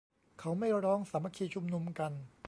เขาไม่ร้องสามัคคีชุมนุมกัน